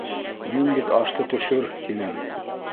Мин бит ашты төшөр, тинем.